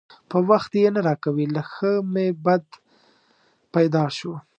په وخت یې نه راکوي؛ له ښه مې بد پیدا شو.